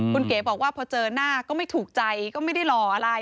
คุณเก๋บอกว่าพอเจอหน้าก็ไม่ถูกใจก็ไม่ได้หล่ออะไร